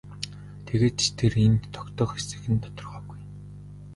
Тэгээд ч тэр энд тогтох эсэх нь тодорхойгүй.